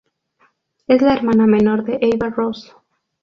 Es la hermana menor de Ava Rose.